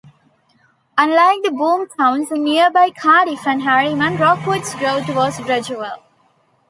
Unlike the "boom" towns in nearby Cardiff and Harriman, Rockwood's growth was gradual.